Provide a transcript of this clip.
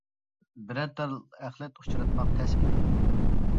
بىرەر تال ئەخلەت ئۇچراتماق تەس ئىدى.